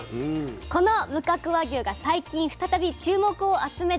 この無角和牛が最近再び注目を集めています。